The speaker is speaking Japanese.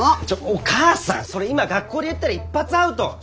ちょっお母さんそれ今学校で言ったら一発アウト。